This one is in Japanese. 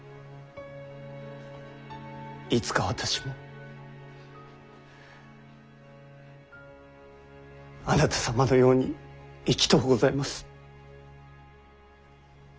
いつか私もあなた様のように生きとうございます。